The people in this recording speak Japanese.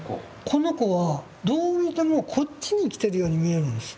この子はどう見てもこっちに来てるように見えるんです。